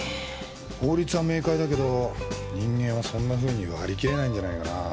法律は明快だけど人間はそんなふうに割り切れないんじゃないかな。